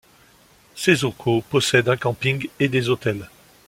Sesoko possède un camping et des hôtels.